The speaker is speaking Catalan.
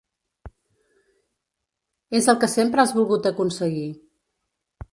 És el que sempre has volgut aconseguir.